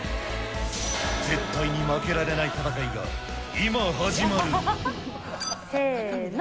絶対に負けられない戦いが今、せーの。